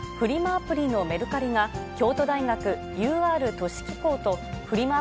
アプリのメルカリが京都大学、ＵＲ都市機構と、フリマ